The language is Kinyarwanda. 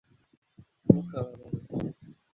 ntukababare